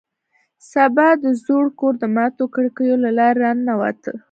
سبا د زوړ کور د ماتو کړکیو له لارې راننوت